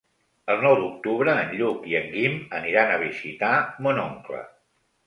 El nou d'octubre en Lluc i en Guim aniran a visitar mon oncle.